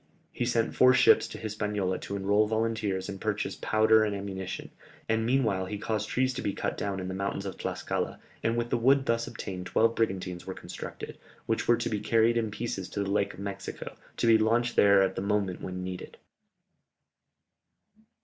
He sent four ships to Hispaniola to enrol volunteers and purchase powder and ammunition, and meanwhile he caused trees to be cut down in the mountains of Tlascala, and with the wood thus obtained twelve brigantines were constructed, which were to be carried in pieces to the Lake of Mexico, to be launched there at the moment when needed.